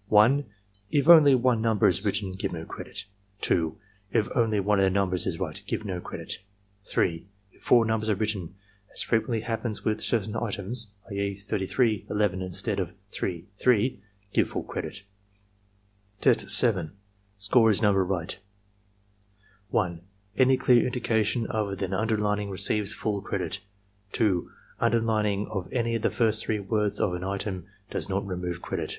. 1. If only one number is written, give no credit. 2. If only one of the numbers is right, give no credit. EXAMINER'S GUIDE 69 3. If four numbers are written, as frequently happens with certain items (i. e., 33, 11 instead of 3, 3), give full credit. Test 7 (Score is number right.; 1. Any dear indication other than underlining receives full credit. 2. Underlining of any of the first three words of an item does not remove credit.